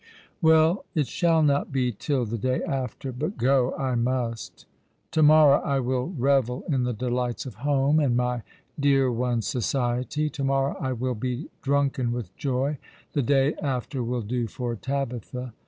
■' Well, it shall not be till the day afterj but go I must. 82 All along the Rwe7\ To morrow I will revel iu the delights of home, and my dear one's society. To morrow I will be drunken with joj. The day after will do for Tabitha."